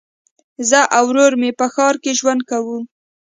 زه او ورور مي په ښار کي ژوند کوو.